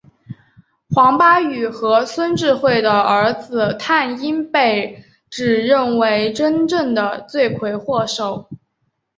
黄巴宇和孙智慧的儿子泰英被指认为真正的罪魁祸首。